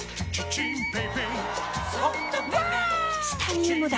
チタニウムだ！